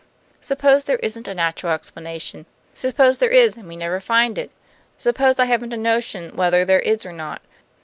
Suppose there isn't a natural explanation! Suppose there is, and we never find it! Suppose I haven't a notion whether there is or not!